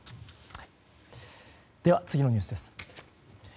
では、次のニュースです。